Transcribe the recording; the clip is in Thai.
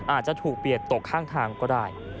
อาจจะถูกเบียดตกข้างทางก็ได้